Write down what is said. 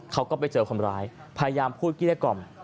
เขาก็ไปเจอคนร้ายพยายามพูดเกลี้ยกล่อม